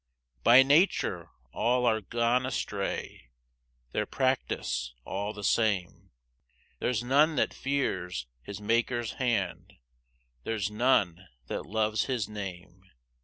4 By nature all are gone astray, Their practice all the same; There's none that fears his Maker's hand, There's none that loves his name.